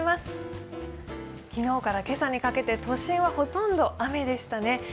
昨日から今朝にかけて都心はほとんど雨でしたね。